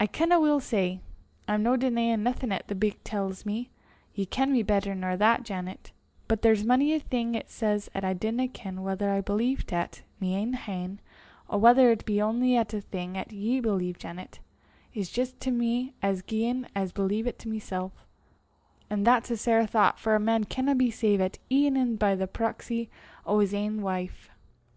"I canna weel say. I'm no denyin' naething 'at the buik tells me; ye ken me better nor that, Janet; but there's mony a thing it says 'at I dinna ken whether I believe 't 'at my ain han', or whether it be only at a' thing 'at ye believe, Janet, 's jist to me as gien I believet it mysel'; an' that's a sair thoucht, for a man canna be savet e'en by the proxy o' 's ain wife."